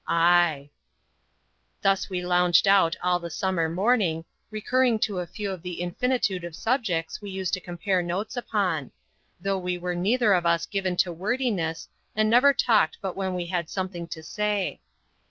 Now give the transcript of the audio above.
"Ay." Thus we lounged out all the summer morning, recurring to a few of the infinitude of subjects we used to compare notes upon; though we were neither of us given to wordiness, and never talked but when we had something to say.